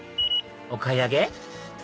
お買い上げ？